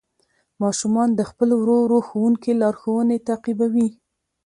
ماشومان د خپل ورو ورو ښوونکي لارښوونې تعقیبوي